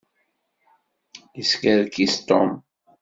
Yeskerkis Tom.